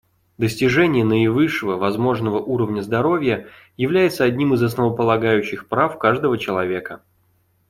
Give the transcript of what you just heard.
Достижение наивысшего возможного уровня здоровья является одним из основополагающих прав каждого человека.